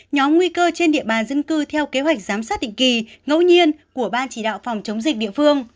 nhóm nguy cơ trên địa bàn dân cư theo kế hoạch giám sát định kỳ ngẫu nhiên của ban chỉ đạo phòng chống dịch địa phương